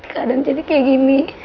kadang jadi kayak gini